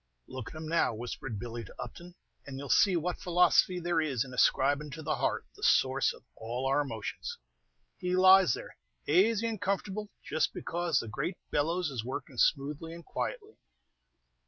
"Look at him now," whispered Billy to Upton, "and you 'll see what philosophy there is in ascribin' to the heart the source of all our emotions. He lies there azy and comfortable just because the great bellows is working smoothly and quietly.